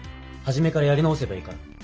はじめからやり直せばいいから。